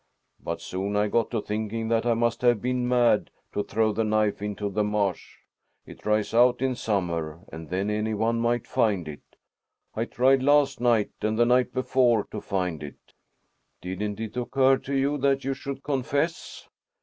But soon I got to thinking that I must have been mad to throw the knife into the marsh. It dries out in summer, and then any one might find it. I tried last night and the night before to find it." "Didn't it occur to you that you should confess?"